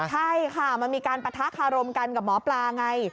ใช่ค่ะมันมีการปะทะคารมกันกับหมอปลาไง